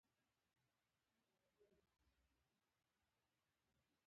په پنډکي کې پوښاک او نور د اړتیا توکي شامل وو.